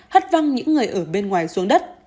hất văng những người ở bên ngoài xuống đất